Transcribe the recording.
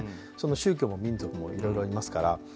宗教も民族も、いろいろいますから。